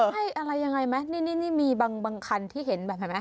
ใช่อะไรยังไงไหมนี่มีบางคันที่เห็นแบบเห็นไหม